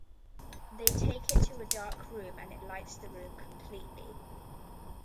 They take it to a dark room and it lights the room completely.